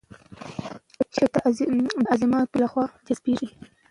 شکر د عضلاتو له خوا جذبېږي.